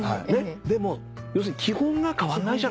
でも要するに基本が変わんないじゃないかと。